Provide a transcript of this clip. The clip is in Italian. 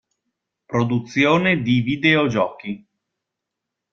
Produzione di videogiochi.